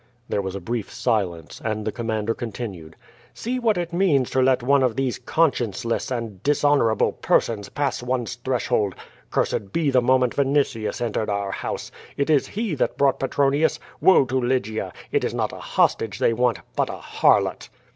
There was a brief silence, and the commander continued: "See what it means to let one of these conscienceless and dishonorable persons pass one's threshold. Cursed be the mo ment Vinitius entered our house! It is he that brought Pe tronius. Woe to Lygia! It is not a hostage they want, but a harlot."